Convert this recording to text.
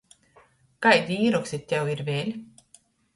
Kaidi īroksti tev ir vēļ?